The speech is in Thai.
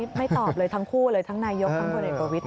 ไม่ตอบเลยทั้งคู่เลยทั้งนายกทั้งพลเอกประวิทย